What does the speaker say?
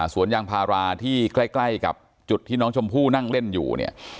สวนยางพาราที่ใกล้กับจุดที่น้องชมพู่นั่งเล่นอยู่เนี่ย